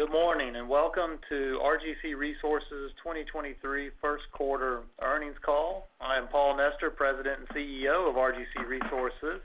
Good morning. Welcome to RGC Resources 2023 first quarter earnings call. I am Paul Nester, President and CEO of RGC Resources.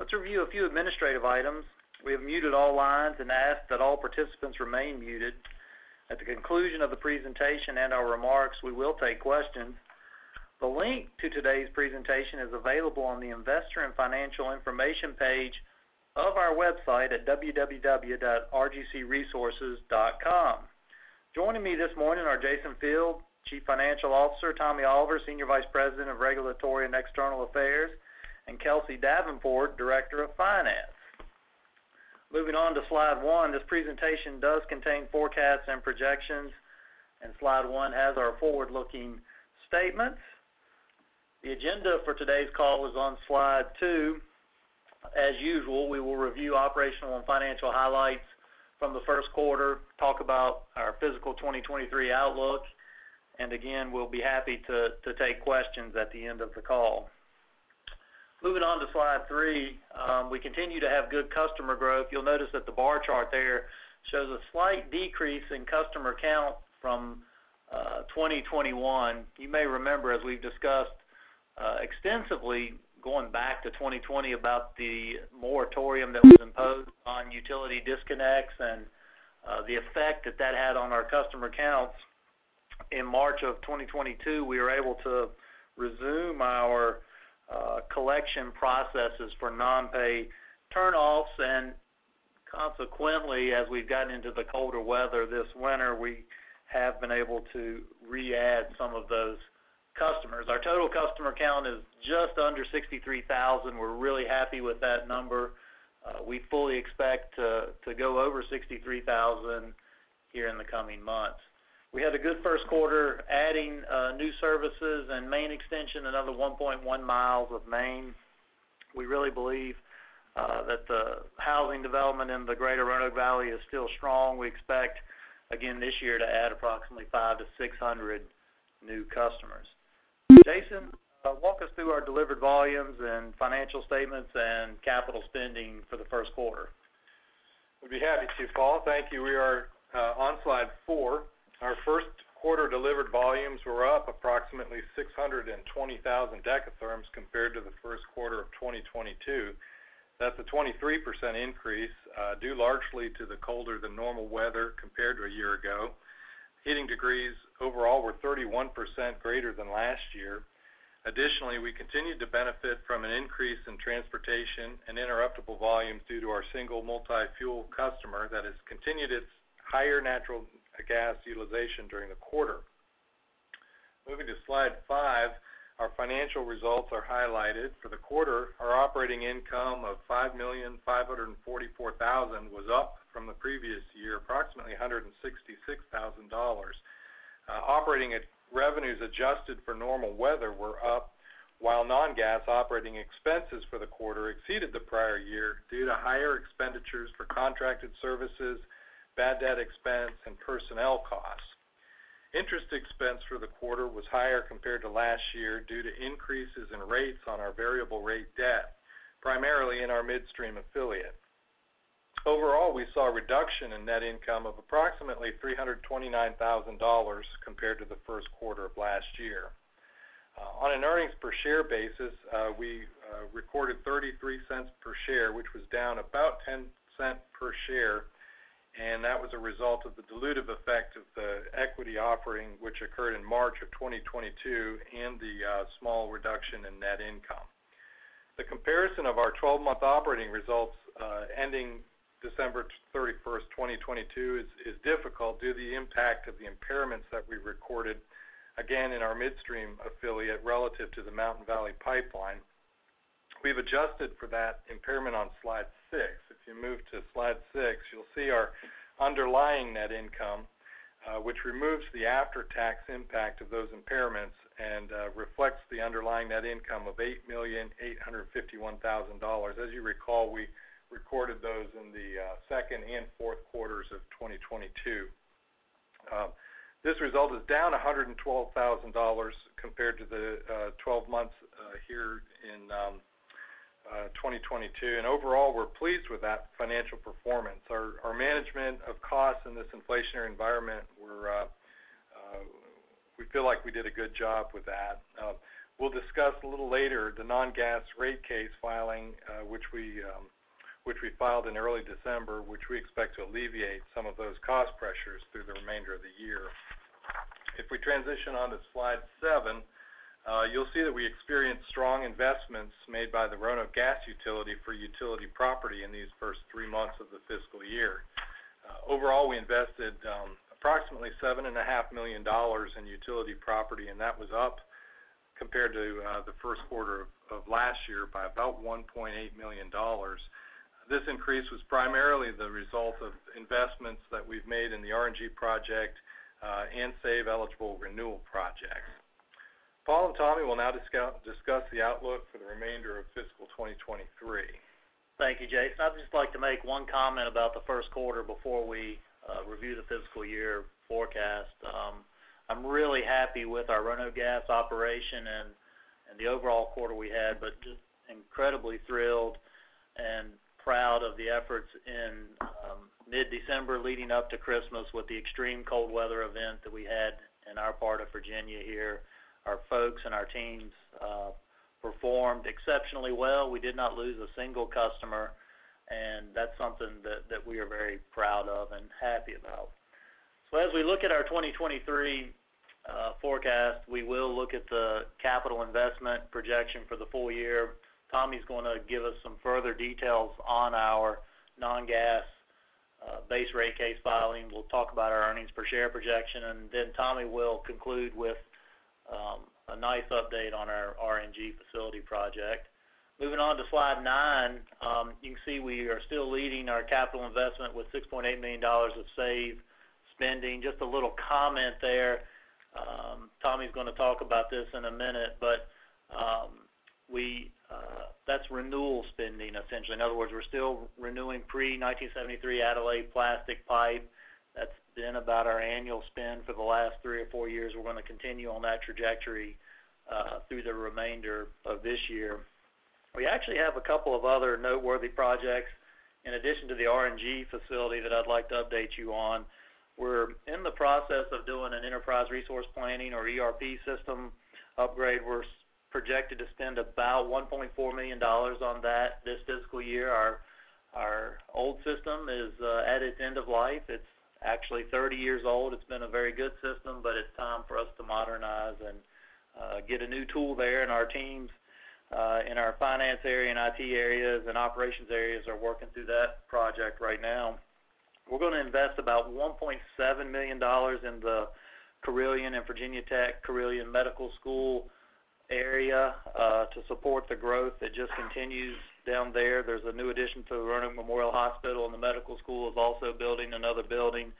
Let's review a few administrative items. We have muted all lines and ask that all participants remain muted. At the conclusion of the presentation and our remarks, we will take questions. The link to today's presentation is available on the Investor and Financial Information page of our website at www.rgcresources.com. Joining me this morning are Jason Field, Chief Financial Officer, Tommy Oliver, Senior Vice President of Regulatory and External Affairs, and Kelsey Davenport, Director of Finance. Moving on to slide one, this presentation does contain forecasts and projections. Slide 1 has our forward-looking statements. The agenda for today's call is on slide second. As usual, we will review operational and financial highlights from the first quarter, talk about our fiscal 2023 outlook, and again, we'll be happy to take questions at the end of the call. Moving on to slide three, we continue to have good customer growth. You'll notice that the bar chart there shows a slight decrease in customer count from 2021. You may remember, as we've discussed extensively going back to 2020 about the moratorium that was imposed on utility disconnects and the effect that that had on our customer counts. In March of 2022, we were able to resume our collection processes for non-pay turnoffs, and consequently, as we've gotten into the colder weather this winter, we have been able to re-add some of those customers. Our total customer count is just under 63,000. We're really happy with that number. We fully expect to go over 63,000 here in the coming months. We had a good first quarter, adding new services and main extension, another 1.1 miles of main. We really believe that the housing development in the greater Roanoke Valley is still strong. We expect, again this year to add approximately 500-600 new customers. Jason, walk us through our delivered volumes and financial statements and capital spending for the first quarter. Would be happy to, Paul. Thank you. We are on slide four. Our first quarter delivered volumes were up approximately 620,000 dekatherms compared to the first quarter of 2022. That's a 23% increase due largely to the colder than normal weather compared to a year ago. Heating degrees overall were 31 greater than last year. Additionally, we continued to benefit from an increase in transportation and interruptible volumes due to our single multi-fuel customer that has continued its higher natural gas utilization during the quarter. Moving to slide five, our financial results are highlighted. For the quarter, our operating income of $5,544,000 was up from the previous year, approximately $166,000. operating revenues adjusted for normal weather were up while non-gas operating expenses for the quarter exceeded the prior year due to higher expenditures for contracted services, bad debt expense, and personnel costs. Interest expense for the quarter was higher compared to last year due to increases in rates on our variable rate debt, primarily in our midstream affiliate. Overall, we saw a reduction in net income of approximately $329,000 compared to the first quarter of last year. On an earnings per share basis, we recorded $0.33 per share, which was down about $0.10 per share, and that was a result of the dilutive effect of the equity offering, which occurred in March of 2022 and the small reduction in net income. The comparison of our 12-month operating results, ending December 31st, 2022 is difficult due to the impact of the impairments that we recorded, again in our midstream affiliate relative to the Mountain Valley Pipeline. We've adjusted for that impairment on slide six. If you move to slide six, you'll see our underlying net income, which removes the after-tax impact of those impairments and reflects the underlying net income of $8,851,000. As you recall, we recorded those in the second and fourth quarters of 2022. This result is down $112,000 compared to the 12 months here in 2022. Overall, we're pleased with that financial performance. Our management of costs in this inflationary environment were, we feel like we did a good job with that. We'll discuss a little later the non-gas rate case filing, which we filed in early December, which we expect to alleviate some of those cost pressures through the remainder of the year. If we transition on to slide seven, you'll see that we experienced strong investments made by the Roanoke Gas Company for utility property in these first three months of the fiscal year. Overall, we invested approximately $7.5 million in utility property, and that was up compared to the first quarter of last year by about $1.8 million. This increase was primarily the result of investments that we've made in the RNG project and SAVE eligible renewal projects. Paul and Tommy will now discuss the outlook for the remainder of fiscal 2023. Thank you, Jason. I'd just like to make one comment about the first quarter before we review the fiscal year forecast. I'm really happy with our Roanoke Gas operation and the overall quarter we had, but just incredibly thrilled and proud of the efforts in mid-December leading up to Christmas with the extreme cold weather event that we had in our part of Virginia here. Our folks and our teams performed exceptionally well. We did not lose a single customer, and that's something that we are very proud of and happy about. As we look at our 2023 forecast, we will look at the capital investment projection for the full year. Tommy's gonna give us some further details on our non-gas base rate case filing. We'll talk about our earnings per share projection, and then Tommy will conclude with a nice update on our RNG facility project. Moving on to slide nine, you can see we are still leading our capital investment with $6.8 million of SAVE spending. Just a little comment there. Tommy's gonna talk about this in a minute, but that's renewal spending, essentially. In other words, we're still renewing pre-1973 Aldyl A plastic pipe. That's been about our annual spend for the last three or four years. We're gonna continue on that trajectory through the remainder of this year. We actually have a couple of other noteworthy projects in addition to the RNG facility that I'd like to update you on. We're in the process of doing an Enterprise Resource Planning or ERP system upgrade. We're projected to spend about $1.4 million on that this fiscal year. Our old system is at its end of life. It's actually 30 years old. It's been a very good system, but it's time for us to modernize and get a new tool there. Our teams in our finance area and IT areas and operations areas are working through that project right now. We're gonna invest about $1.7 million in the Carilion and Virginia Tech Carilion Medical School area to support the growth that just continues down there. There's a new addition to Roanoke Memorial Hospital, and the medical school is also building another building.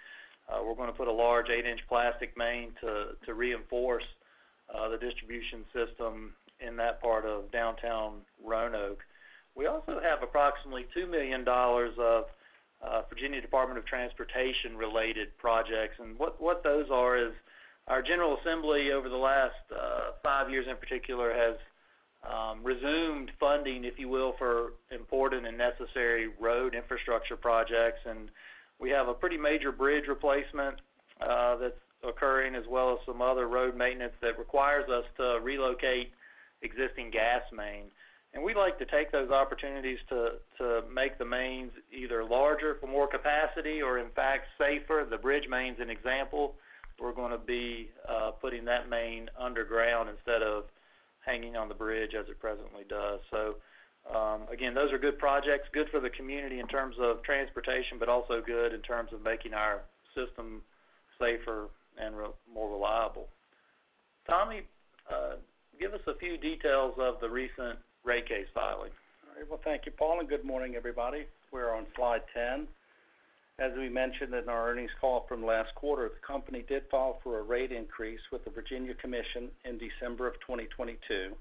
We're gonna put a large 8-inch plastic main to reinforce the distribution system in that part of downtown Roanoke. We also have approximately $2 million of Virginia Department of Transportation-related projects. What those are is our general assembly over the last five years in particular has resumed funding, if you will, for important and necessary road infrastructure projects. We have a pretty major bridge replacement that's occurring, as well as some other road maintenance that requires us to relocate existing gas mains. We like to take those opportunities to make the mains either larger for more capacity or, in fact, safer. The bridge main's an example. We're gonna be putting that main underground instead of hanging on the bridge as it presently does. Again, those are good projects. Good for the community in terms of transportation, but also good in terms of making our system safer and more reliable. Tommy, give us a few details of the recent rate case filing. All right. Well, thank you, Paul. Good morning, everybody. We're on slide 10. As we mentioned in our earnings call from last quarter, the company did file for a rate increase with the Virginia Commission in December of 2022.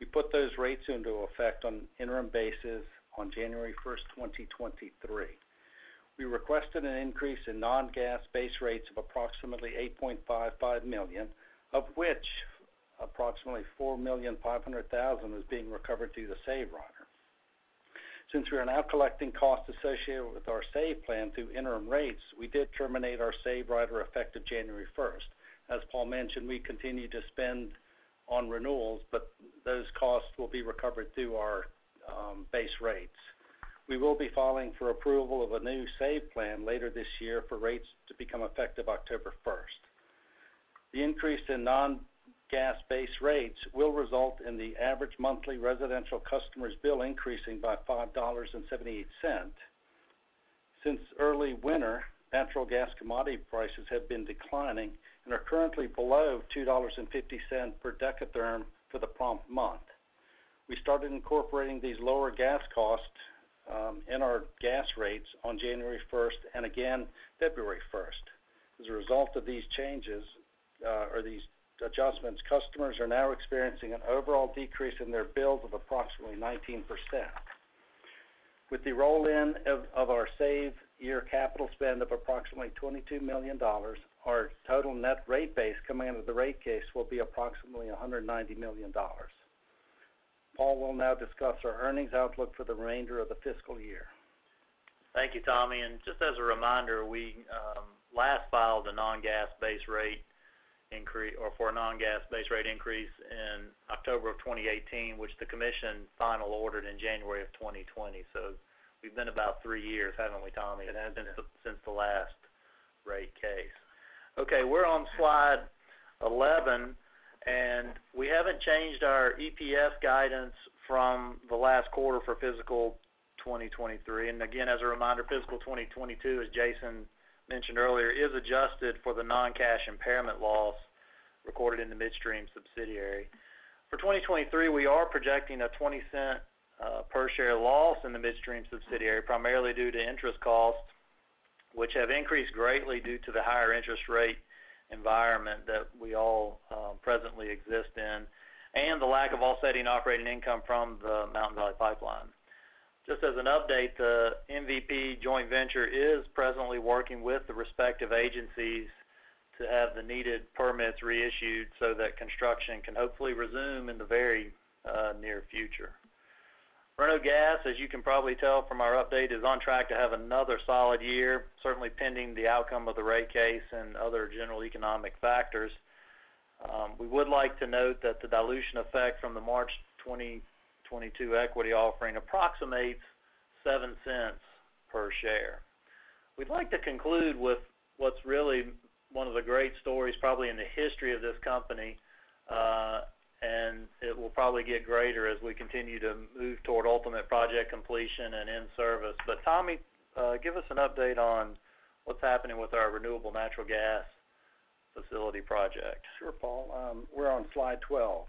We put those rates into effect on an interim basis on January 1, 2023. We requested an increase in non-gas base rates of approximately $8.55 million, of which approximately $4.5 million is being recovered through the SAVE rider. Since we are now collecting costs associated with our SAVE plan through interim rates, we did terminate our SAVE rider effective January one. As Paul mentioned, we continue to spend on renewals, those costs will be recovered through our base rates. We will be filing for approval of a new SAVE plan later this year for rates to become effective October one. The increase in non-gas base rates will result in the average monthly residential customer's bill increasing by $5.78. Since early winter, natural gas commodity prices have been declining and are currently below $2.50 per dekatherm for the prompt month. We started incorporating these lower gas costs in our gas rates on January 1st and again February first. As a result of these changes or these adjustments, customers are now experiencing an overall decrease in their bills of approximately 19%. With the roll-in of our SAVE year capital spend of approximately $22 million, our total net rate base coming out of the rate case will be approximately $190 million. Paul will now discuss our earnings outlook for the remainder of the fiscal year. Thank you, Tommy. Just as a reminder, we last filed for a non-gas base rate increase in October of 2018, which the Commission final ordered in January of 2020. We've been about three years, haven't we, Tommy? It has been. Since the last rate case. We're on slide 11, we haven't changed our EPS guidance from the last quarter for fiscal 2023. Again, as a reminder, fiscal 2022, as Jason mentioned earlier, is adjusted for the non-cash impairment loss recorded in the midstream subsidiary. For 2023, we are projecting a $0.20 per share loss in the midstream subsidiary, primarily due to interest costs, which have increased greatly due to the higher interest rate environment that we all presently exist in and the lack of offsetting operating income from the Mountain Valley Pipeline. Just as an update, the MVP joint venture is presently working with the respective agencies to have the needed permits reissued so that construction can hopefully resume in the very near future. Roanoke Gas, as you can probably tell from our update, is on track to have another solid year, certainly pending the outcome of the rate case and other general economic factors. We would like to note that the dilution effect from the March 2022 equity offering approximates $0.07 per share. We'd like to conclude with what's really one of the great stories probably in the history of this company, and it will probably get greater as we continue to move toward ultimate project completion and in service. Tommy, give us an update on what's happening with our renewable natural gas facility project. Sure, Paul. We're on slide 12,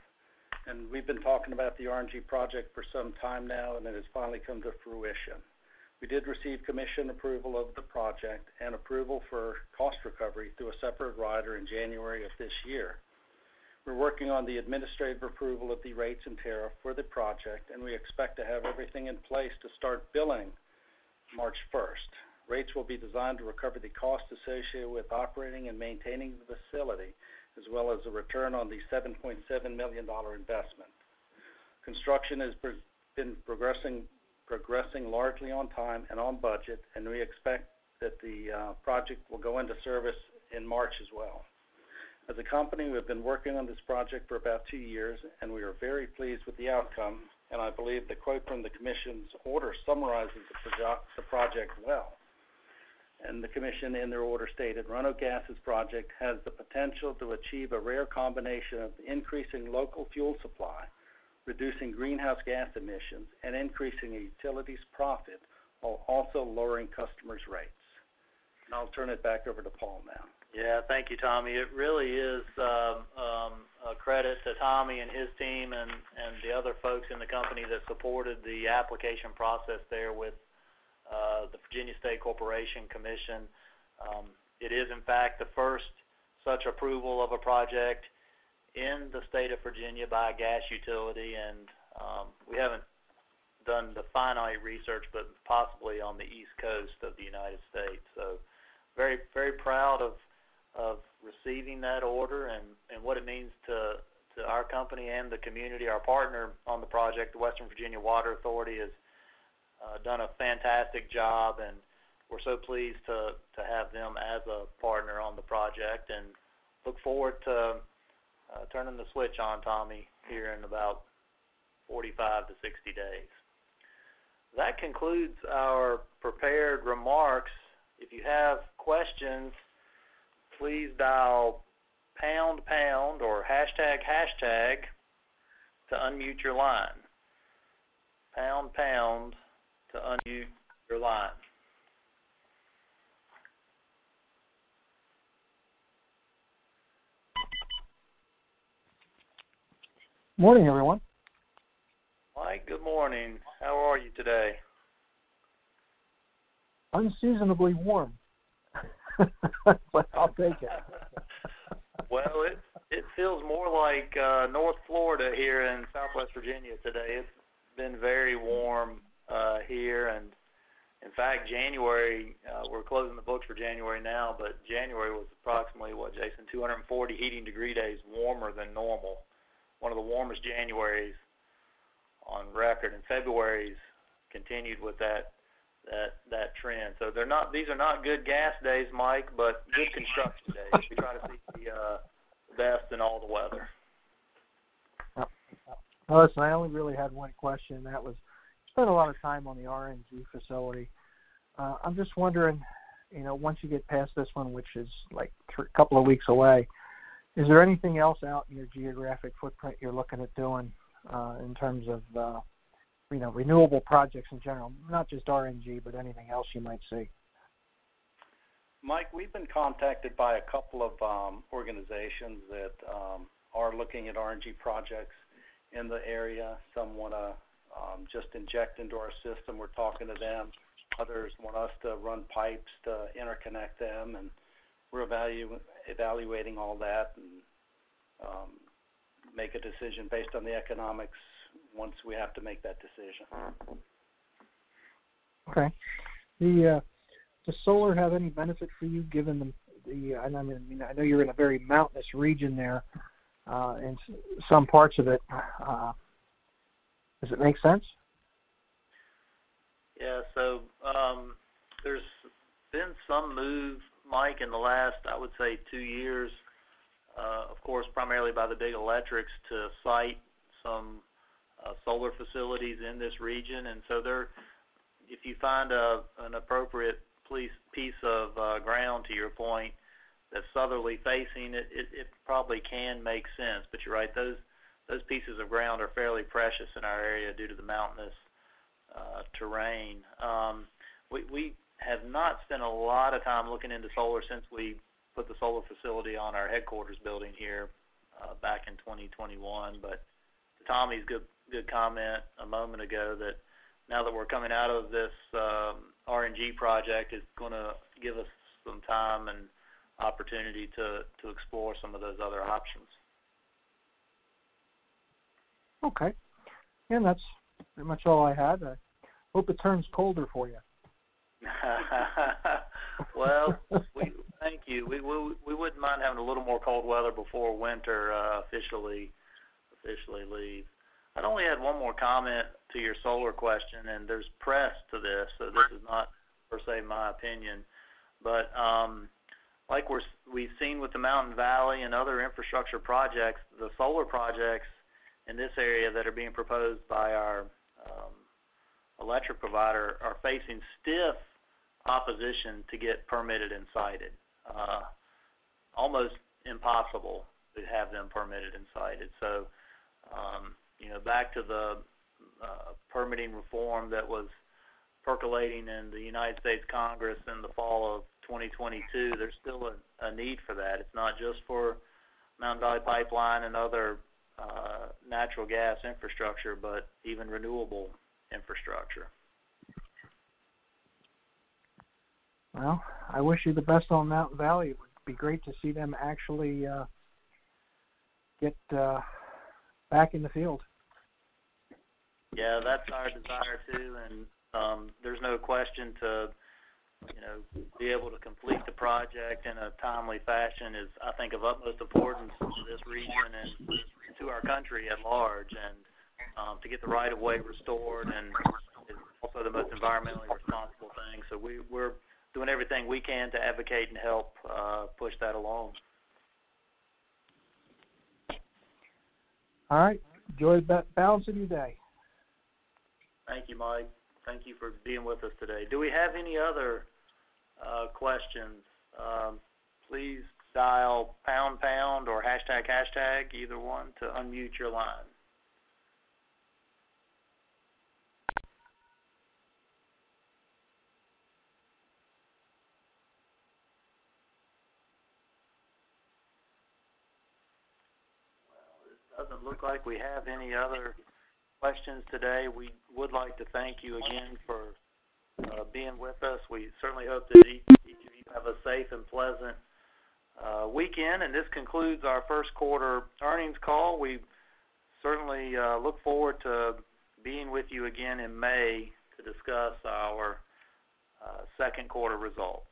we've been talking about the RNG project for some time now, it has finally come to fruition. We did receive Commission approval of the project and approval for cost recovery through a separate rider in January of this year. We're working on the administrative approval of the rates and tariff for the project, we expect to have everything in place to start billing March first. Rates will be designed to recover the cost associated with operating and maintaining the facility, as well as a return on the $7.7 million investment. Construction has been progressing largely on time and on budget, we expect that the project will go into service in March as well. As a company, we have been working on this project for about two years, and we are very pleased with the outcome, and I believe the quote from the Commission's order summarizes the project well. The Commission in their order stated, "Roanoke Gas's project has the potential to achieve a rare combination of increasing local fuel supply, reducing greenhouse gas emissions, and increasing the utility's profit, while also lowering customers' rates." I'll turn it back over to Paul now. Thank you, Tommy. It really is a credit to Tommy and his team and the other folks in the company that supported the application process there with the Virginia State Corporation Commission. It is, in fact, the first such approval of a project in the state of Virginia by a gas utility, and we haven't done the finite research, but possibly on the East Coast of the United States. Very proud of receiving that order and what it means to our company and the community. Our partner on the project, Western Virginia Water Authority, has done a fantastic job, and we're so pleased to have them as a partner on the project and look forward to turning the switch on, Tommy, here in about 45 to 60 days. That concludes our prepared remarks. If you have questions, please dial pound pound or hashtag hashtag to unmute your line. Pound pound to unmute your line. Morning, everyone. Mike, good morning. How are you today? Unseasonably warm. I'll take it. Well, it feels more like North Florida here in Southwest Virginia today. It's been very warm here. In fact, January, we're closing the books for January now, but January was approximately, what, Jason? 240 heating degree days warmer than normal, one of the warmest Januarys on record. February's continued with that trend. These are not good gas days, Mike, but good construction days. We try to see the best in all the weather. Well, listen, I only really had one question, and that was, you spent a lot of time on the RNG facility. I'm just wondering, you know, once you get past this one, which is, like, a couple of weeks away, is there anything else out in your geographic footprint you're looking at doing, in terms of, you know, renewable projects in general? Not just RNG, but anything else you might see. Mike, we've been contacted by a couple of organizations that are looking at RNG projects in the area. Some wanna just inject into our system. We're talking to them. Others want us to run pipes to interconnect them, and we're evaluating all that and make a decision based on the economics once we have to make that decision. Okay. Does solar have any benefit for you given I mean, I know you're in a very mountainous region there, in some parts of it? Does it make sense? Yeah. There's been some move, Mike, in the last, I would say two years, of course, primarily by the big electrics to site some solar facilities in this region. If you find an appropriate piece of ground to your point that's southerly facing, it probably can make sense. You're right, those pieces of ground are fairly precious in our area due to the mountainous terrain. We have not spent a lot of time looking into solar since we put the solar facility on our headquarters building here, back in 2021. To Tommy's good comment a moment ago that now that we're coming out of this RNG project, it's gonna give us some time and opportunity to explore some of those other options. Okay. That's pretty much all I had. I hope it turns colder for you. Thank you. We wouldn't mind having a little more cold weather before winter officially leaves. I'd only add one more comment to your solar question. There's press to this is not per se my opinion. Like we've seen with the Mountain Valley and other infrastructure projects, the solar projects in this area that are being proposed by our electric provider are facing stiff opposition to get permitted and sited. Almost impossible to have them permitted and sited. You know, back to the permitting reform that was percolating in the United States Congress in the fall of 2022, there's still a need for that. It's not just for Mountain Valley Pipeline and other natural gas infrastructure, but even renewable infrastructure. Well, I wish you the best on Mountain Valley. It would be great to see them actually get back in the field. Yeah, that's our desire, too. There's no question to, you know, be able to complete the project in a timely fashion is, I think, of utmost importance to this region and to our country at large and to get the right of way restored and is also the most environmentally responsible thing. We're doing everything we can to advocate and help push that along. All right. Enjoy the balance of your day. Thank you, Mike. Thank you for being with us today. Do we have any other questions? Please dial pound pound or hashtag hashtag, either one, to unmute your line. Well, it doesn't look like we have any other questions today. We would like to thank you again for being with us. We certainly hope that each of you have a safe and pleasant weekend. This concludes our first quarter earnings call. We certainly look forward to being with you again in May to discuss our second quarter results. Thank you.